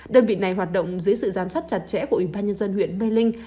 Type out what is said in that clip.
đơn vị này hoạt động dưới sự giám sát chặt chẽ của ubnd huyện mê linh